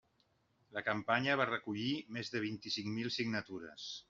La campanya va recollir més de vint-i-cinc mil signatures.